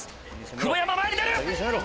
久保山前に出る。